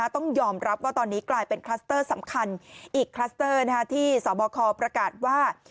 ต้องยอมรับว่าตอนนี้กลายเป็นคลัสเตอร์สำคัญอีกคลัสเตอร์ที่สบคประกาศว่า